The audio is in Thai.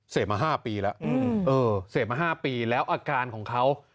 เสพมาห้าปีแล้วอืมเออเสพมาห้าปีแล้วอาการของเขา